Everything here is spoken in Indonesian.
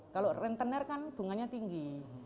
kalau rentener kan bunganya tinggi